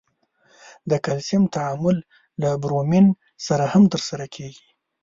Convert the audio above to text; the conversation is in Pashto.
د کلسیم تعامل له برومین سره هم ترسره کیږي.